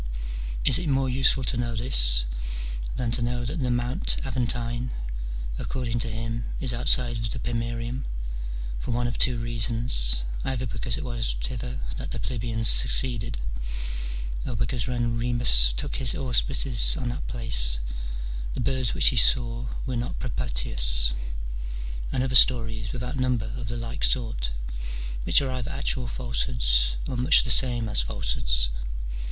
Is it more useful to know this, than to know that the Mount Aventine, according to him, is outside of the pomoerium, for one of two reasons, either because it was thither that the plebeians seceded, or because when Remus took his auspices on that place the birds which he saw wei^ not propitious : and other stories without number of the like sort, which are either actual falsehoods or much the same as falsehoods